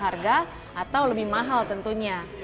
harga atau lebih mahal tentunya